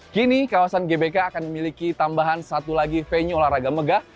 kini kawasan gbk akan memiliki tambahan satu lagi venue olahraga megah